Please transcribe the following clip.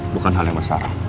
bukan hal yang besar